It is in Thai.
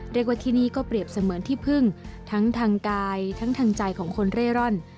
เรียกว่าที่นี่ก็เปรียบเสมือนที่พึ่งทั้งทางกายทั้งทางใจของคนเร่ร่อน